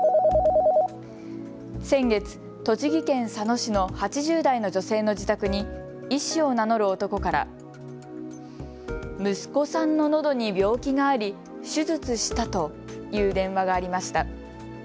先月、栃木県佐野市の８０代の女性の自宅に医師を名乗る男から息子さんののどに病気があり手術したという電話がありました。